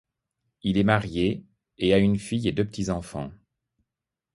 Il est marié, et a une fille et deux petits-enfants.